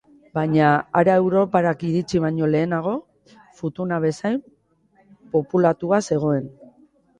Baina, hara europarrak iritsi baino lehenago, Futuna bezain populatua zegoen.